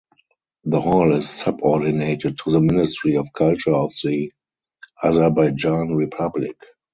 The Hall is subordinated to the Ministry of Culture of the Azerbaijan Republic.